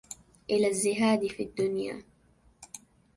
إلى الزهاد في الدنيا